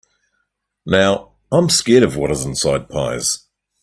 Now, I’m scared of what is inside of pies.